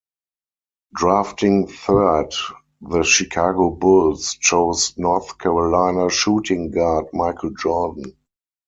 Drafting third, the Chicago Bulls chose North Carolina shooting guard Michael Jordan.